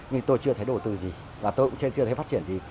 nhưng tôi chưa thấy đầu tư gì và tôi cũng chưa thấy phát triển gì